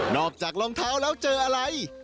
อกจากรองเท้าแล้วเจออะไร